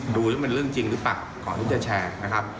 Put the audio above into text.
ดูแล้วมันเรื่องจริงหรือเปล่าก่อนที่จะแชร์นะครับ